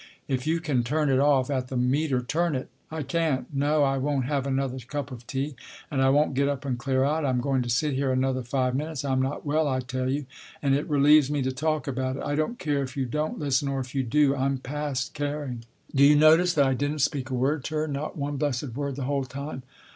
If you can turn it off at the meter, turn it. I can't. No, I won't have another cup of tea. And I won't get up and clear out, I'm going to sit here another five minutes. I'm not well, I tell you, and it relieves me to talk about it. I don't care if you don't listen. Or if you do. I'm past caring. 28 Tasker Jevons " D'you notice that I didn't speak a word to her not one blessed word the whole time